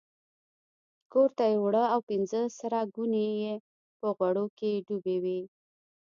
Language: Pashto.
کورته یې وړه او پنځه سره ګوني یې په غوړو کې ډوبې وې.